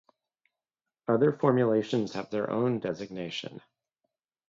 Other formulations have their own designation.